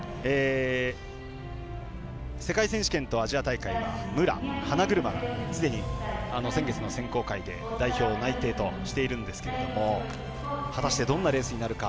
世界選手権とアジア大会は武良、花車がすでに先月の選考会で代表内定をしているんですけども果たして、どんなレースになるか。